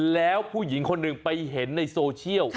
แล้วผู้หญิงคนหนึ่งไปเห็นในโซเชียล